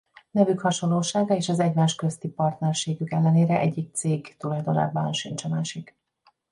Nevük hasonlósága és az egymás közti partnerségük ellenére egyik cég tulajdonában sincs a másik.